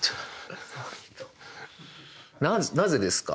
「なぜですか」？